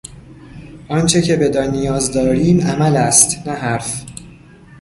آنچه که بدان نیاز داریم عمل است، نه حرف.